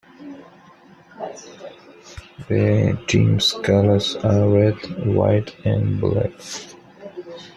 The team's colors are red, white and black.